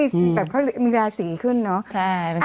หล่อนะมีราศีขึ้นเนอะ